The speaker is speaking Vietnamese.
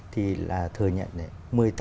thì là thừa nhận đấy